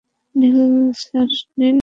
নিন, স্যার।